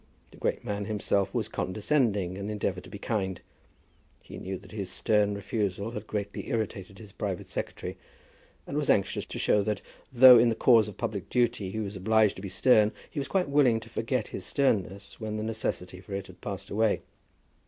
The great man himself was condescending and endeavoured to be kind. He knew that his stern refusal had greatly irritated his private secretary, and was anxious to show that, though in the cause of public duty he was obliged to be stern, he was quite willing to forget his sternness when the necessity for it had passed away.